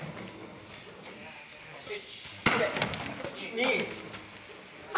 ２！